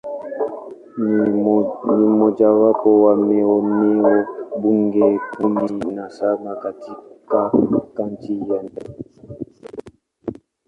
Ni mojawapo wa maeneo bunge kumi na saba katika Kaunti ya Nairobi.